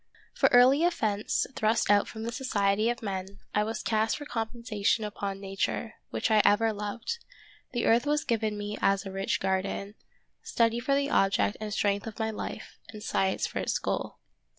For early offence thrust out from the society of men, I was cast for compensation upon Nature, which I ever loved ; the earth was given me as a rich garden, study for the object and strength of my life, and science for its goal.